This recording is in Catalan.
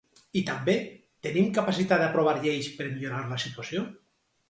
I també: Tenim capacitat d’aprovar lleis per millorar la situació?